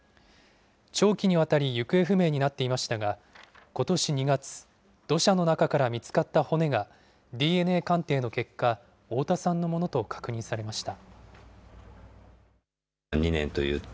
長期にわたり、行方不明になっていましたが、ことし２月、土砂の中から見つかった骨が、ＤＮＡ鑑定の結果、太田さんのものと確認されました。